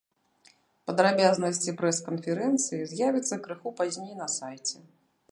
Падрабязнасці прэс-канферэнцыі з'явяцца крыху пазней на сайце.